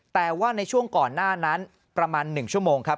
แต่ว่าในช่วงก่อนหน้านั้นประมาณ๑ชั่วโมงครับ